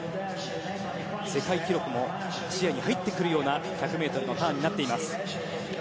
世界記録も視野に入ってくるような１００ｍのターンになっています。